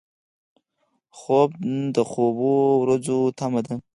خوب د خوبو ورځو تمه ده